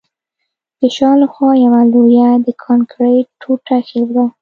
د شا له خوا یوه لویه د کانکریټ ټوټه ایښې ده